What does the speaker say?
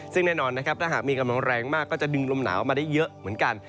ซึ่งแน่นอนนะครับถ้าหากมีกำลังแรงมากก็จะดึงลมหนาวมาได้เยอะเหมือนกัน